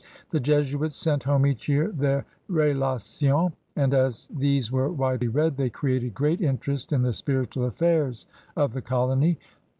The Jesuits sent home each year their BSloHons, and, as these were widely read, they created great interest in the spiritual affairs of the colony.